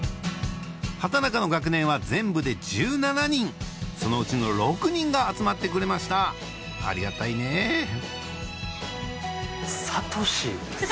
畠中の学年は全部で１７人そのうちの６人が集まってくれましたありがたいね聡。